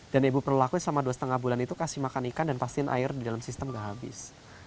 dan ibu perlu lakuin selama dua setengah bulan itu kasih makan ikan dan pastikan air di dalam sistem nggak habis